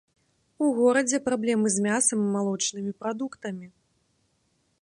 У горадзе праблемы з мясам і малочнымі прадуктамі.